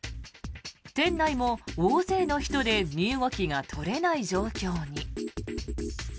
店内も大勢の人で身動きが取れない状況に。